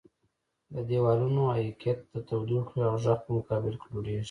د دیوالونو عایقیت د تودوخې او غږ په مقابل کې لوړیږي.